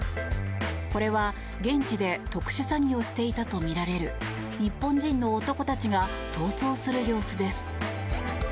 これは、現地で特殊詐欺をしていたとみられる日本人の男たちが逃走する様子です。